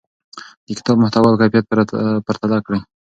د کتاب محتوا او کیفیت پرتله کړئ.